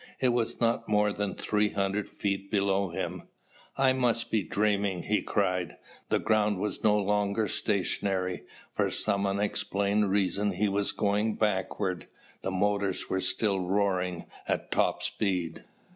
It was not more than three hundred feet below him. "I must be dreaming!" he cried. The ground was no longer stationary. For some unexplained reason he was going backward. The motors were still roaring at top speed.